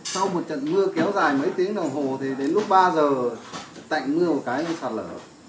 sau một trận mưa kéo dài mấy tiếng đồng hồ thì đến lúc ba giờ tạnh mưa một cái bị sạt lở